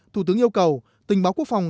thủ tướng yêu cầu tình báo quốc phòng